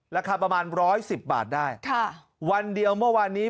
ราคาประมาณร้อยสิบบาทได้ค่ะวันเดียวเมื่อวานนี้